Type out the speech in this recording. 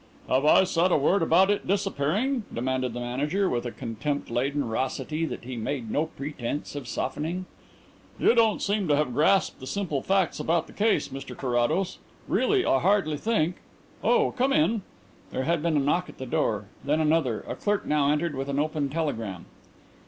"Have I said a word about it disappearing?" demanded the Manager, with a contempt laden raucity that he made no pretence of softening. "You don't seem to have grasped the simple facts about the case, Mr Carrados. Really, I hardly think Oh, come in!" There had been a knock at the door, then another. A clerk now entered with an open telegram.